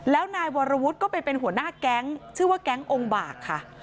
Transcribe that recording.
แล้วนายวรวุฒิก็ไปเป็นหัวหน้าแก๊งชื่อว่าแก๊งองค์บากค่ะ